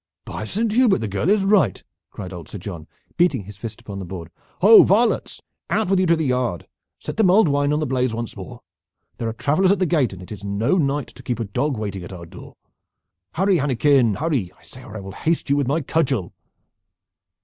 "By Saint Hubert, the girl is right!" cried old Sir John, beating his fist upon the board. "Ho, varlets, out with you to the yard! Set the mulled wine on the blaze once more! There are travelers at the gate, and it is no night to keep a dog waiting at our door. Hurry, Hannekin! Hurry, I say, or I will haste you with my cudgel!"